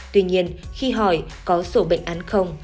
tuy nhiên khi hỏi có sổ bệnh án không